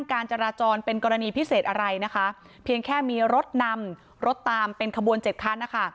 การจราจรเป็นกรณีพิเศษอะไรนะคะเพียงแค่มีรถนำรถตามเป็นขบวนเจ็ดคันนะคะ